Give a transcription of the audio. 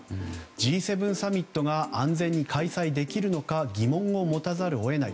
Ｇ７サミットが安全に開催できるのか疑問を持たざるを得ない。